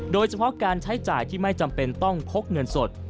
โดยเฉพาะการใช้จ่ายที่ไม่จำเป็นต้องพกเงินสด